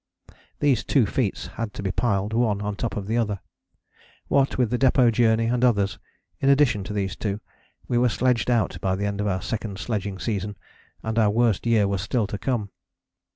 These two feats had to be piled one on top of the other. What with the Depôt Journey and others, in addition to these two, we were sledged out by the end of our second sledging season, and our worst year was still to come.